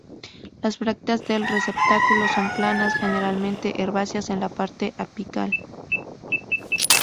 Las brácteas del receptáculo son planas, generalmente herbáceas en la parte apical.